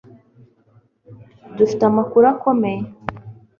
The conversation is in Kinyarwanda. Dufite amakuru akomeye